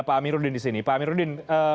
pak amiruddin di sini pak amiruddin